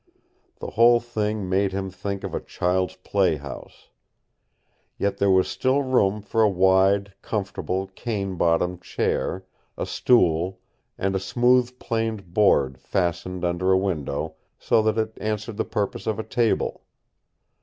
The whole thing made him think of a child's playhouse. Yet there was still room for a wide, comfortable, cane bottomed chair, a stool, and a smooth planed board fastened under a window, so that it answered the purpose of a table.